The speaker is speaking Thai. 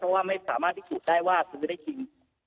เพราะว่าไม่สามารถพิสูจน์ได้ว่าซื้อได้จริง